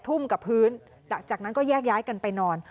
ทุ่มกับพื้นจากนั้นก็แยกย้ายกันไปนอน